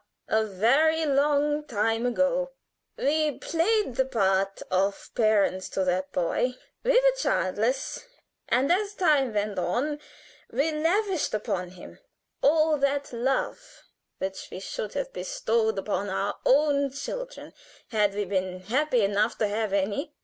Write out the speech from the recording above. _ a very long time ago! We played the part of parents to that boy. We were childless, and as time went on, we lavished upon him all the love which we should have bestowed upon our own children had we been happy enough to have any.